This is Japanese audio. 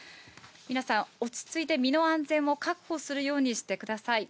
皆さん、落ち着いて、身の安全を確保するようにしてください。